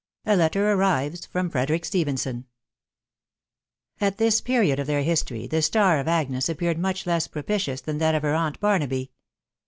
X LETTER ARRIVES FROM FREDERICK. STEPHENSON; At this period of their history the star of Agnes appeared much less propitious than that of her ant Barnaby.